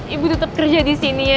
ibu tetap kerja di sini ya